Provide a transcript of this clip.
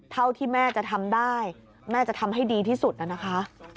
เท่าที่แม่จะทำได้แม่จะทำให้ดีที่สุดนะคะ